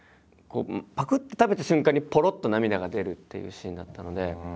ぱくって食べた瞬間にぽろっと涙が出るっていうシーンだったので。